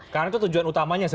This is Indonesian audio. karena itu tujuan utamanya